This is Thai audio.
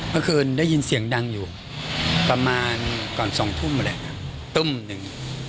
เมื่อคืนได้ยินเสียงดังอยู่ประมาณก่อน๒ทุ่มแหละตุ้มหนึ่ง